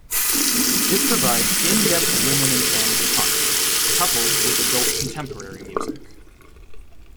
It provides in-depth women and family content, coupled with adult contemporary music.